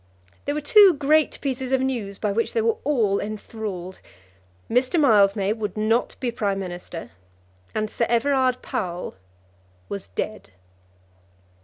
There were two great pieces of news by which they were all enthralled. Mr. Mildmay would not be Prime Minister, and Sir Everard Powell was dead.